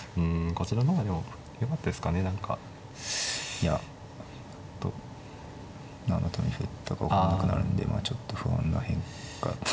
いやちょっと何のために振ったか分かんなくなるんでまあちょっと不安な変化だった。